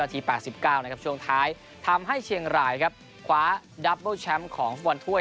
ที๘๙นะครับช่วงท้ายทำให้เชียงรายครับคว้าดับเบิ้ลแชมป์ของฟุตบอลถ้วย